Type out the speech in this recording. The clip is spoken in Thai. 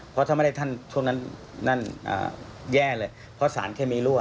เพราะถ้าไม่ได้ท่านช่วงนั้นนั่นแย่เลยเพราะสารเคมีรั่ว